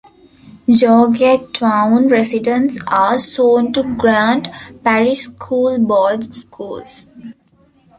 Georgetown residents are zoned to Grant Parish School Board schools.